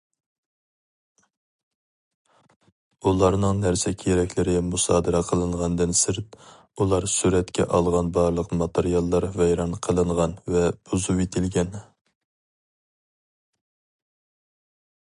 ئۇلارنىڭ نەرسە-كېرەكلىرى مۇسادىرە قىلىنغاندىن سىرت، ئۇلار سۈرەتكە ئالغان بارلىق ماتېرىياللار ۋەيران قىلىنغان ۋە بۇزۇۋېتىلگەن.